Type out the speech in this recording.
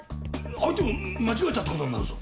相手を間違えたって事になるぞ！